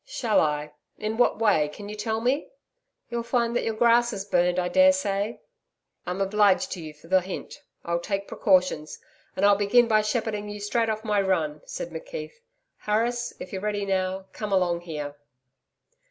'Shall I. In what way, can you tell me?' 'You'll find that your grass is burned, I daresay.' 'I'm obliged to you for the hint. I'll take precautions, and I'll begin by shepherding you straight off my run,' said McKeith. 'Harris, if you're ready now, come along here.'